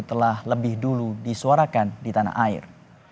telah lebih dulu disuarakan di tanah air